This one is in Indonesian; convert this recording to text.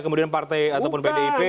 kemudian partai atau pdip